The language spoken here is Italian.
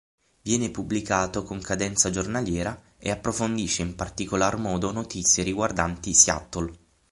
Viene pubblicato con cadenza giornaliera, e approfondisce in particolar modo notizie riguardanti Seattle.